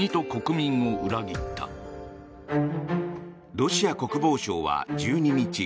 ロシア国防省は１２日